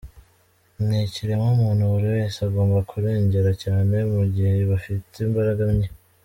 Ni ikiremwamuntu buri wese agomba kurengera cyane mu gihe bafite imbaraga nke.